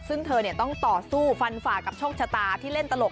ซึ่งเธอต้องต่อสู้ฟันฝ่ากับโชคชะตาที่เล่นตลก